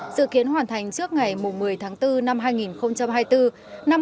dự kiến hoàn thành trước ngày một mươi tháng bốn năm hai nghìn hai mươi bốn